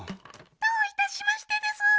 どういたしましてでスー。